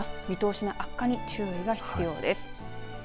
見通しの悪化に注意が必要です。